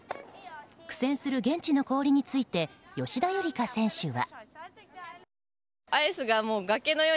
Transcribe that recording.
苦戦する現地の氷について吉田夕梨花選手は。